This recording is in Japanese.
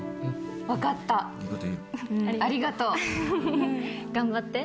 分かったありがとう。頑張って。